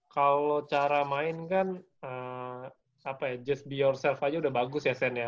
kalo cara main kan apa ya just be yourself aja udah bagus ya sen ya